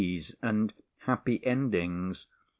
C.'s and happy endings.